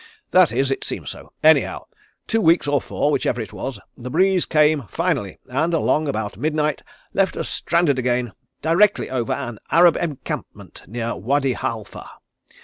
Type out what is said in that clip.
That is, it seems so. Anyhow, two weeks or four, whichever it was, the breeze came finally, and along about midnight left us stranded again directly over an Arab encampment near Wady Halfa.